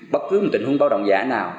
bất cứ một tình huống báo động giả nào